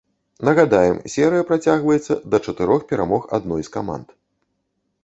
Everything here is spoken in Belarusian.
Нагадаем, серыя працягваецца да чатырох перамог адной з каманд.